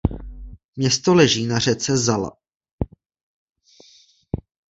Město leží na řece Zala.